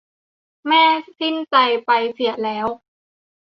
แม่สิ้นใจไปเสียแล้ว